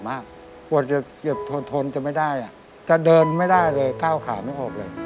มันเป็นบ่อยไหมพ่ออาการ